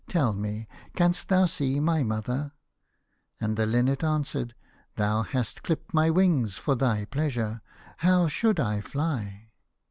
Tell me, canst thou see my mother ?" And the Linnet answered, " Thou hast dipt my wings for thy pleasure. How should I fly